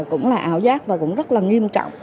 cũng là ảo giác và cũng rất là nghiêm trọng